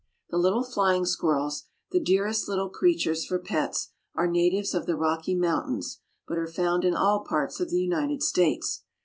The little flying squirrels, the dearest little creatures for pets, are natives of the Rocky Mountains, but are found in all parts of the United States.